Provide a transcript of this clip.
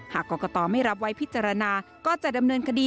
หากกรกตไม่รับไว้พิจารณาก็จะดำเนินคดี